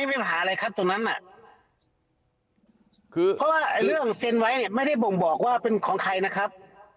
เพราะว่าเรื่องเซนไว้ไม่ได้บ่องบอกว่าเป็นของใครนะครับ